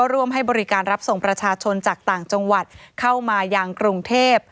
ร่วมให้บริการรับส่งประชาชนจากต่างจังหวัดเข้ามายังกรุงเทพ